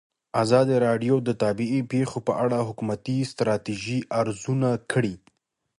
ازادي راډیو د طبیعي پېښې په اړه د حکومتي ستراتیژۍ ارزونه کړې.